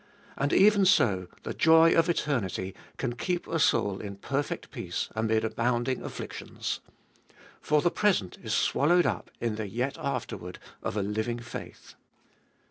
And even so the joy of eternity can keep a soul in perfect peace amid abounding afflictions. For the present is swallowed up in the yet after ward of a living faith.